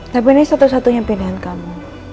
tapi ini satu satunya pilihan kamu